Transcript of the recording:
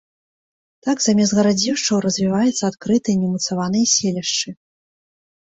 Так замест гарадзішчаў развіваюцца адкрытыя, неўмацаваныя селішчы.